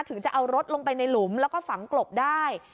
ถึงจะเอารถลงไปในหลุมแล้วก็ฝังกลบได้